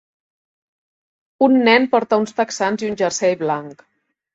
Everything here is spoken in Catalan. Un nen porta uns texans i un jersei blanc.